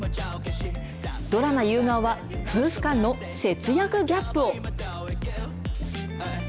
ドラマ、夕顔は夫婦間の節約ギャップを。